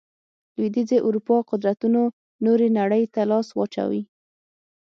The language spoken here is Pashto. لوېدیځې اروپا قدرتونو نورې نړۍ ته لاس واچوي.